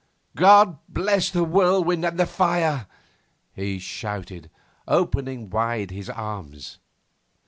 'God bless the whirlwind and the fire!' he shouted, opening wide his arms.